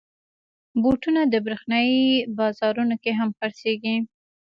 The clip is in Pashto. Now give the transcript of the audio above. بوټونه د برېښنايي بازارونو کې هم خرڅېږي.